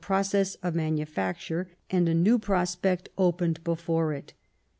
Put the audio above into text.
163 process of manufacture, and a new prospect opened before it.